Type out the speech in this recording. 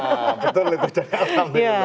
nah betul itu jadi alhamdulillah